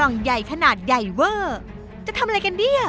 เอาล่ะครับเชฟทุกท่านออกมายืนหน้าเตาเพื่อรับคำท่าที่หนึ่งของคุณได้เลยครับ